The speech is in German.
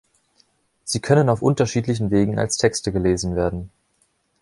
Sie können auf unterschiedlichen Wegen als Texte gelesen werden.